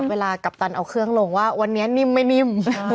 กัปตันเอาเครื่องลงว่าวันนี้นิ่มไม่นิ่ม